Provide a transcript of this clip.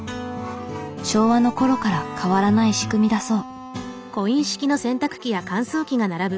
昭和の頃から変わらない仕組みだそう。